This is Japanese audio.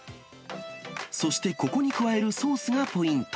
そしてここに加えるソースがポイント。